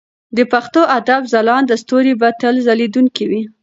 د پښتو ادب ځلانده ستوري به تل ځلېدونکي وي.